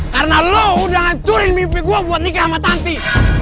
karena lo udah ngancurin mimpi gue buat nikah sama tanti